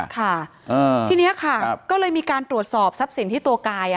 ค่ะทีนี้ค่ะก็เลยมีการตรวจสอบทรัพย์สินที่ตัวกาย